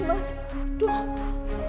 aduh ya mas